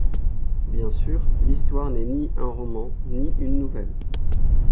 Bien sûr, l’histoire n’est ni un roman ni une nouvelle.